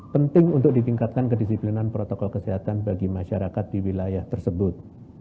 penting untuk ditingkatkan kedisiplinan protokol kesehatan bagi masyarakat di wilayah tersebut